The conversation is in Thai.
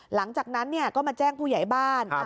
หลังจากนั้นก็มาแจ้งผู้ใหญ่บ้าน